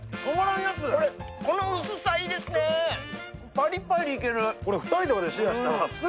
パリパリいける。